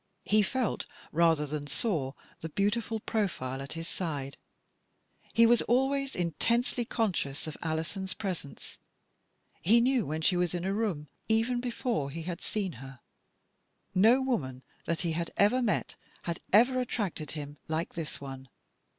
He felt, rather than saw, the beautiful profile at his side. He was always intensely con scious of Alison's presence. He knew when 246 THE 8T0RY OF A MODERN WOMAN. she was in a room even before he had seen her. No woman that he had ever met had ever attracted him like this one.